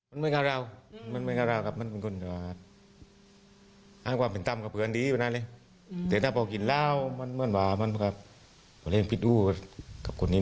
อาจารย์นี้แรกขึ้นตอนกินแล้วครับ